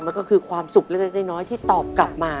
มันก็คือความสุขเล็กน้อยที่ตอบกลับมา